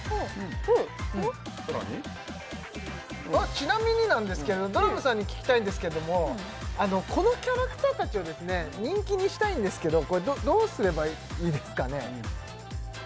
さらにちなみになんですけれどドラムさんに聞きたいんですけどもこのキャラクター達をですね人気にしたいんですけどこれどうすればいいですかね？